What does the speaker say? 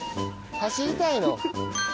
走りたいの？